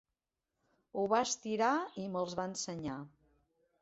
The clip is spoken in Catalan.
Ho va estirar i me'ls va ensenyar.